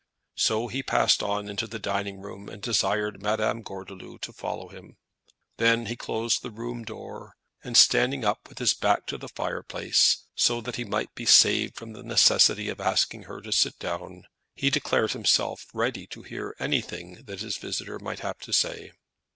So he passed on into the dining room and desired Madame Gordeloup to follow him. Then he closed the room door, and standing up with his back to the fireplace, so that he might be saved from the necessity of asking her to sit down, he declared himself ready to hear anything that his visitor might have to say.